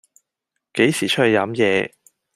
幾時出去飲野